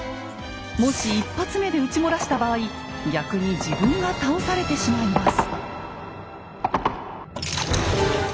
もし１発目で撃ち漏らした場合逆に自分が倒されてしまいます。